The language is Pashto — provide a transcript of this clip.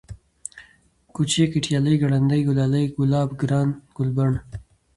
كوچى ، گټيالی ، گړندی ، گلالی ، گلاب ، گران ، گلبڼ